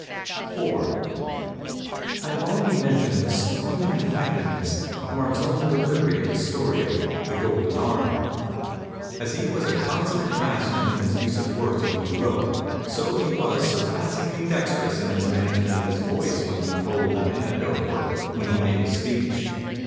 IV I HAVE already mentioned the startling effec tiveness of Mark's own delivery of the story of the 'Golden Arm.' As he was a consummate craftsman in his use of words when he wrote, so he was surpassingly dextrous in his manage 270 MEMORIES OF MARK TWAIN ment of his voice when he told an anecdote or when he made a speech.